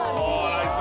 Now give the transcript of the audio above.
ナイス。